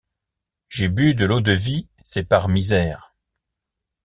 J’ai bu de l’eau-de-vie, c’est par misère.